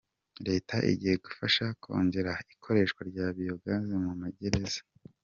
Leta igiye gufasha kongera ikoreshwa rya Biyogaze mu magereza